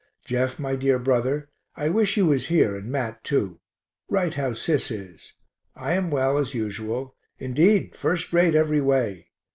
Jeff, my dear brother, I wish you was here, and Mat too. Write how Sis is. I am well, as usual; indeed first rate every way.